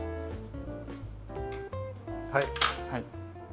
はい。